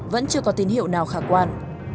vẫn chưa có tin hiệu nào khả quan